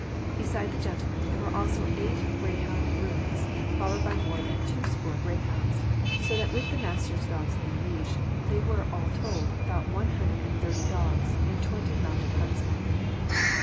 Beside the gentlemen, there were also eight greyhound grooms, followed by more than twoscore greyhounds ; so that with the master's dogs in leash, there were, all told, about one hundred and thirty dogs, and twenty mounted huntsmen.